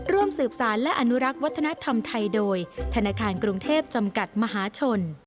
ร่วมสืบสารและอนุรักษ์วัฒนธรรมไทยโดยธนาคารกรุงเทพจำกัดมหาชน